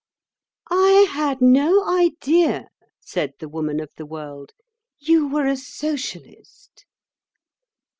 ] "I had no idea," said the Woman of the World, "you were a Socialist."